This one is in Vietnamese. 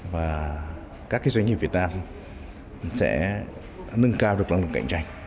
và các doanh nghiệp việt nam sẽ nâng cao được năng lực cạnh tranh